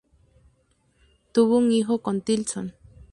Tuvo un hijo con Tilson.